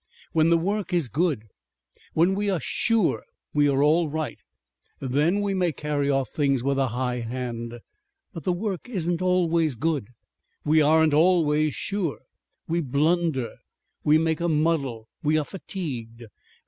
When the work is good, when we are sure we are all right, then we may carry off things with a high hand. But the work isn't always good, we aren't always sure. We blunder, we make a muddle, we are fatigued.